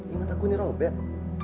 ingat aku ini robert